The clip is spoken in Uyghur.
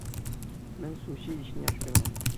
مەن سۇشى يېيىشنى ياخشى كۆرىمەن.